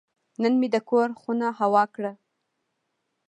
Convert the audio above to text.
نن مې د کور خونه هوا کړه.